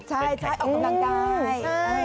ใช่ออกกำลังกาย